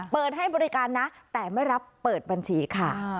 เปิดให้บริการนะแต่ไม่รับเปิดบัญชีค่ะ